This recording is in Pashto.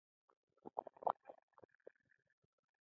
قانون د خلقو خپل قانون دى.